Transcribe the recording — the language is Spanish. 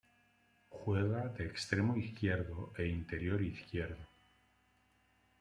Juega de extremo izquierdo e interior izquierdo.